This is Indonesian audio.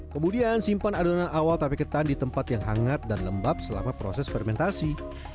kemudian simpan adonan awal tape ketan di tempat yang hangat dan lembab selama proses fermentasi